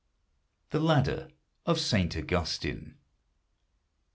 THE LADDER OF SAINT AUGUSTINE.